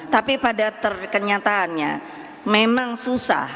tapi pada kenyataannya memang susah